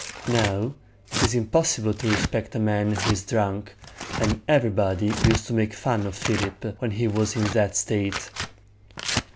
Now, it is impossible to respect a man who is drunk, and everybody used to make fun of Philip when he was in that state.